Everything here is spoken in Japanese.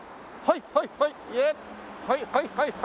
はいはいはいはい！